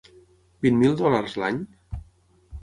Vint mil dòlars l'any?